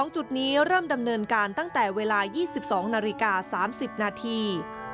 จุดนี้เริ่มดำเนินการตั้งแต่เวลา๒๒นาฬิกา๓๐นาที